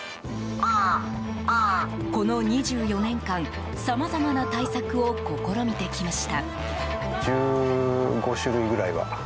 この２４年間、さまざまな対策を試みてきました。